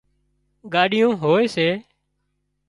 ڳاڏيون هوئي سي